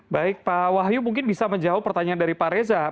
baik pak wahyu mungkin bisa menjawab pertanyaan dari pak reza